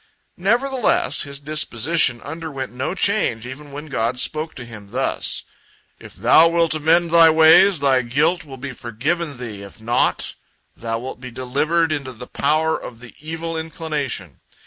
Nevertheless, his disposition underwent no change, even when God spoke to him thus: "If thou wilt amend thy ways, thy guilt will be forgiven thee; if not, thou wilt be delivered into the power of the evil inclination.